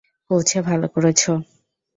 পৌঁছে ভালো করেছ।